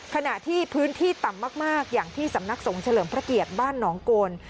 ขณะที่พื้นที่ต่ำมากอย่างที่สำนักสงฆ์เฉลิมพระเกียรติบ้านหนองโกน